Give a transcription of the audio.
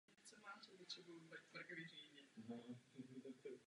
Singl nepochází z žádného studiového alba.